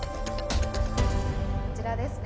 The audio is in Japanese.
こちらですね。